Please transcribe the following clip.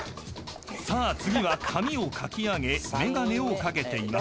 ［さあ次は髪をかき上げ眼鏡を掛けています］